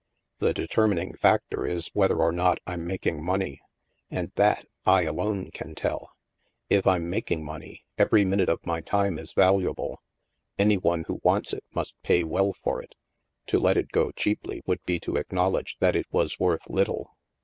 The determining factor is whether or not I'm making money. And that, I, alone can tell. "If I'm making money, every minute of my time is valuable. Any one who wants it must pay well for it. To let it go cheaply would be to acknowl edge that it was worth little.